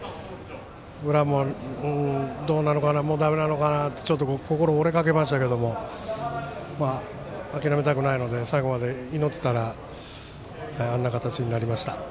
裏もどうなのかなだめなのかなとちょっと心折れかけましたけども諦めたくないので最後まで祈ってたらあんな形になりました。